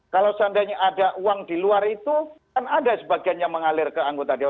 kalau seandainya ada uang di luar itu kan ada sebagian yang mengalir ke anggota dewan